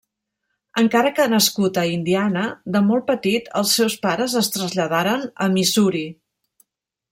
Encara que nascut a Indiana de molt petit els seus pares es traslladaren a Missouri.